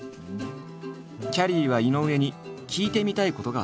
きゃりーは井上に聞いてみたいことがあった。